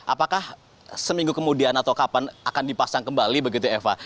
apakah seminggu kemudian atau kapan akan dipasang kembali begitu eva